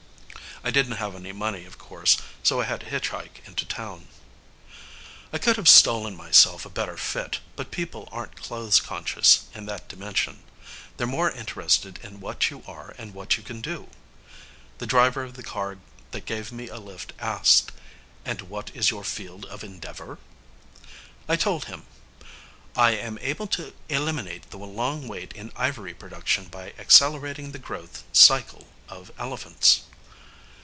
I didn't have any money, of course, so I had to hitchhike into town. I could have stolen myself a better fit, but people aren't clothes conscious in that dimension. They're more interested in what you are and what you can do. The driver of the car that gave me a lift asked, "And what is your field of endeavor?" I told him, "I am able to eliminate the long wait in ivory production by accelerating the growth cycle of elephants."